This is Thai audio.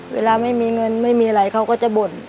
เวลาไม่มีเงินไม่มีอะไรเขาก็จะบ่น